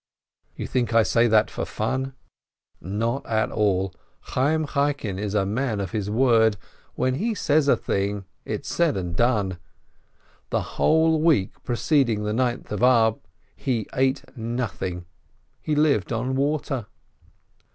You think I say that for fun ? Not at all ! Chayyirn Chaikin is a man of his word. When he says a thing, it's said and done! The whole week preceding the Ninth of Ab he ate nothing, he lived on water.